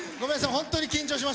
本当に緊張しました。